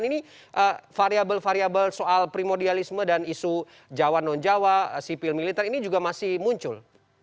ini variable variable soal primordialisme dan isu jawa non jawa sipil militer ini juga masih muncul